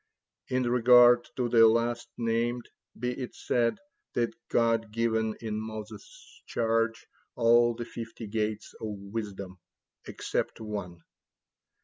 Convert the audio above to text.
In regard to the last named be it said, that God given in Moses' charge all the fifty gates of wisdom except one.